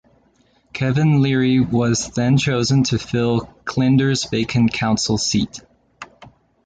Kevin Leary was then chosen to fill Klinder's vacant council seat.